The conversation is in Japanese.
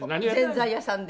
「ぜんざい屋さんで？」